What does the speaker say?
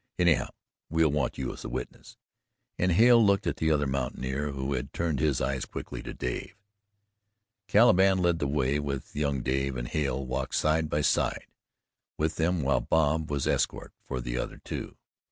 Anyhow, we'll want you as a witness," and Hale looked at the other mountaineer, who had turned his eyes quickly to Dave. Caliban led the way with young Dave, and Hale walked side by side with them while Bob was escort for the other two.